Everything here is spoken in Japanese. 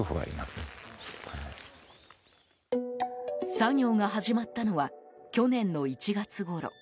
作業が始まったのは去年の１月ごろ。